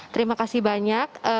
terima kasih banyak